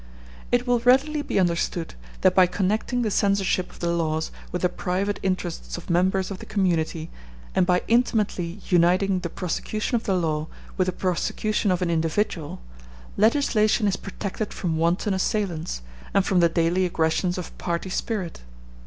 It will readily be understood that by connecting the censorship of the laws with the private interests of members of the community, and by intimately uniting the prosecution of the law with the prosecution of an individual, legislation is protected from wanton assailants, and from the daily aggressions of party spirit.